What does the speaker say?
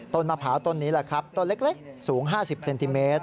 มะพร้าวต้นนี้แหละครับต้นเล็กสูง๕๐เซนติเมตร